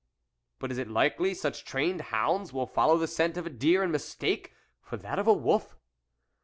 " But is it likely such trained hounds will follow the scent of a deer in mistake for that of a wolf